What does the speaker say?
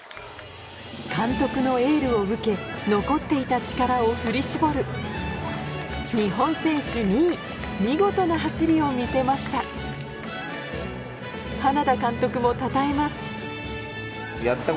・監督のエールを受け残っていた力を振り絞る見事な走りを見せました花田監督もたたえます